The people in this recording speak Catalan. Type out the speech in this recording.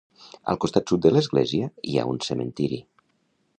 Al costat sud de l'església hi ha un cementiri.